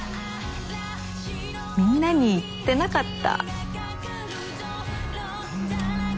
みんなに言ってなかった。